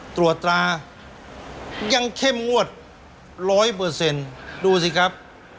ตรวจตรายังเข้มงวดร้อยเปอร์เซ็นต์ดูสิครับ